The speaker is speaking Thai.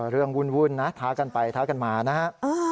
วุ่นนะท้ากันไปท้ากันมานะฮะ